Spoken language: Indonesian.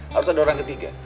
harus ada orang ketiga